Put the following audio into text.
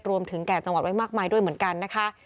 แก่จังหวัดไว้มากมายด้วยเหมือนกันนะคะ